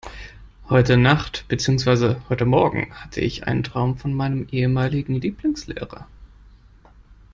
Heute Nacht, beziehungsweise heute Morgen hatte ich einen Traum von meinem ehemaligen Lieblingslehrer.